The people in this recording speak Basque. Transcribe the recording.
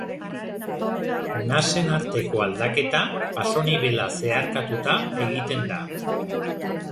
Nasen arteko aldaketa pasonibela zeharkatuta egiten da.